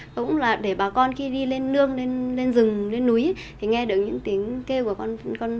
và cũng là để bà con khi đi lên nương lên rừng lên núi thì nghe được những tiếng kêu của con hiêu đấy nó hay